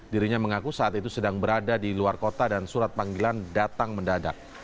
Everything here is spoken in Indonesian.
dirinya mengaku saat itu sedang berada di luar kota dan surat panggilan datang mendadak